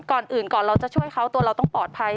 ก่อนอื่นก่อนเราจะช่วยเขาตัวเราต้องปลอดภัย